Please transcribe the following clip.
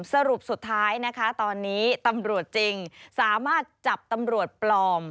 สรุปสุดท้ายนะคะตอนนี้ตำรวจจริงสามารถจับตำรวจปลอม